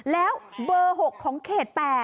แล้วเบอร์๖ของเขต๘